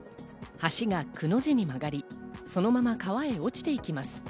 橋が、くの字に曲がり、そのまま川へ落ちていきます。